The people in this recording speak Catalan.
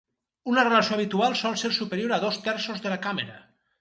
Una relació habitual sol ser superior a dos terços de la càmera.